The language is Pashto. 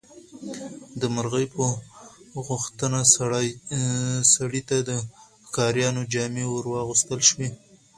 د مرغۍ په غوښتنه سړي ته د ښکاریانو جامې ورواغوستل شوې.